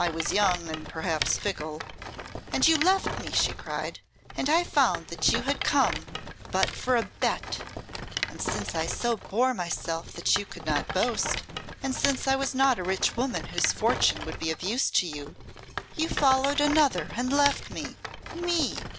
I was young, and perhaps fickle " "And you left me," she cried, "and I found that you had come but for a bet and since I so bore myself that you could not boast, and since I was not a rich woman whose fortune would be of use to you, you followed another and left me me!"